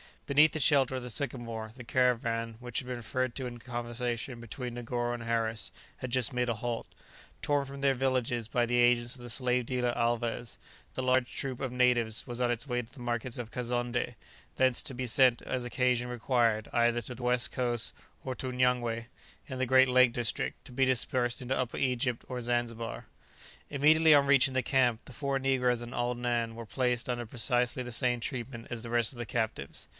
Beneath the shelter of the sycamore, the caravan which had been referred to in the conversation between Negoro and Harris had just made a halt. Torn from their villages by the agents of the slave dealer Alvez, the large troop of natives was on its way to the market of Kazonndé, thence to be sent as occasion required either to the west coast, or to Nyangwé, in the great lake district, to be dispersed into Upper Egypt or Zanzibar. Immediately on reaching the camp, the four negroes and old Nan were placed under precisely the same treatment as the rest of the captives.